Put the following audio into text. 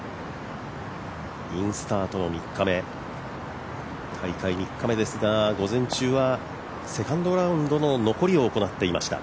インスタートの３日目、大会３日目ですが午前中はセカンドラウンドの残りを行っていました。